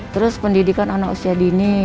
terus pendidikan anak usia dini